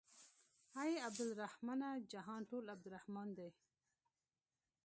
اې عبدالرحمنه جهان ټول عبدالرحمن دى.